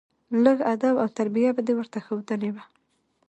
لېږ ادب او تربيه به دې ورته ښودلى وه.